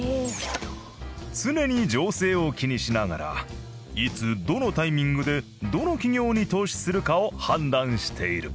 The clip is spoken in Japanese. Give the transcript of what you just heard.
常に情勢を気にしながらいつどのタイミングでどの企業に投資するかを判断している。